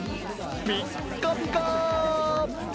ピッカピカ！